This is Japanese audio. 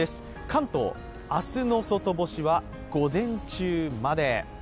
関東、明日の外干しは午前中まで。